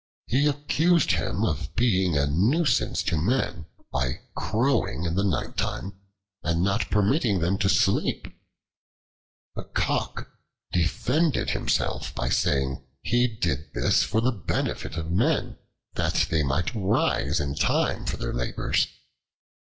He accused him of being a nuisance to men by crowing in the nighttime and not permitting them to sleep. The Cock defended himself by saying that he did this for the benefit of men, that they might rise in time for their labors.